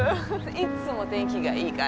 いつも天気がいいから。